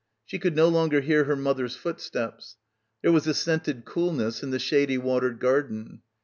She could no longer hear her mother's footsteps. There was a scented coolness in the shady watered gar den.